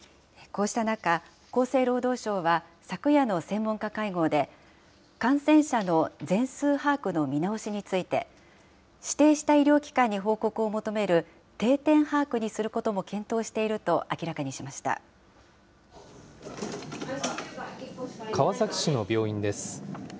こうした中、厚生労働省は昨夜の専門家会合で、感染者の全数把握の見直しについて、指定した医療機関に報告を求める定点把握にすることも検討してい川崎市の病院です。